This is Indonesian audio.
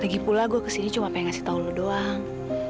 lagi pula gue kesini cuma pengen ngasih tau lo doang